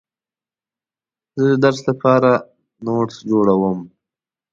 زه د درس لپاره نوټس جوړوم.